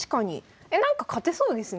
えなんか勝てそうですね